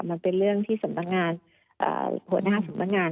มันเป็นเรื่องที่สำนักงานหัวหน้าสำนักงาน